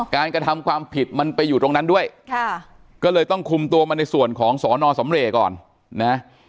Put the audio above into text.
กระทำความผิดมันไปอยู่ตรงนั้นด้วยค่ะก็เลยต้องคุมตัวมาในส่วนของสอนอสำเรย์ก่อนนะ